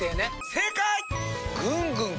正解！